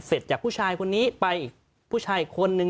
เสร็จจากผู้ชายคนนี้ไปผู้ชายคนหนึ่ง